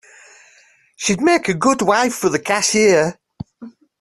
She'd make a good wife for the cashier.